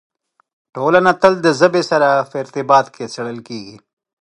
ټولنه تل د ژبې سره په ارتباط کې څېړل کېږي.